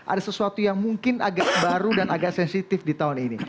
ada sesuatu yang mungkin agak baru dan agak sensitif di tahun ini